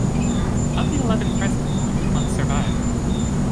Of the eleven present, only one survived.